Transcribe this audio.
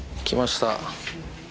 来ました。